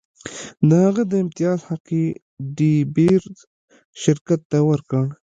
د هغه د امتیاز حق یې ډي بیرز شرکت ته ورکړ.